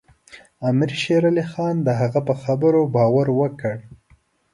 امیر شېر علي خان د هغه په خبرو باور وکړ.